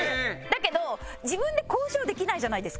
だけど自分で交渉できないじゃないですか。